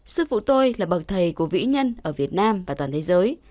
sư vụ tôi là bậc thầy của vĩ nhân ở việt nam và toàn thế giới